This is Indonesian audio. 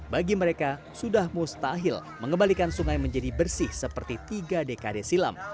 bagi mereka sudah mustahil mengembalikan sungai menjadi bersih seperti tiga dekade silam